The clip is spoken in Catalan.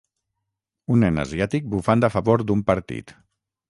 Un nen asiàtic bufant a favor d'un partit.